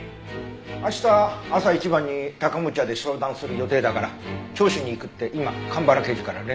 明日朝一番に高持屋で商談する予定だから聴取に行くって今蒲原刑事から連絡が。